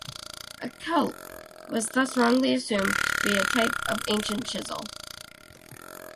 A 'Celt' was thus wrongly assumed to be a type of ancient chisel.